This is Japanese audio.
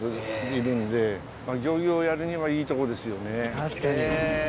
確かに。